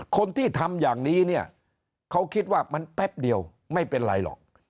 คนที่ทำอย่างนี้เนี่ยเขาคิดว่ามันแป๊บเดียวไม่เป็นไรหรอก